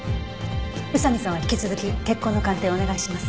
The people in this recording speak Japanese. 宇佐見さんは引き続き血痕の鑑定をお願いします。